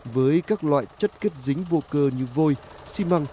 với các loại chất kết dính vô cơ như vôi xi măng